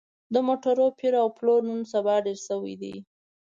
د موټرو پېر او پلور نن سبا ډېر شوی دی